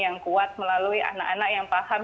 yang kuat melalui anak anak yang paham